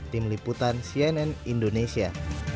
tim liputan cnn indonesia